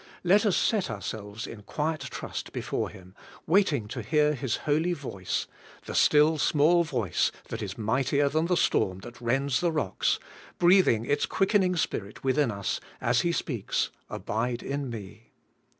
Let us set our selves in quiet trust before Him, waiting to hear His holy voice, — ^the still small voice that is mightier than the storm that rends the rocks, — breathing its quickening spirit within us, as He speaks: 'Abide in me.'